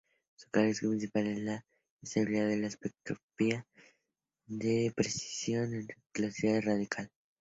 Su característica principal es la estabilidad y la espectroscopia de precisión de velocidad radial.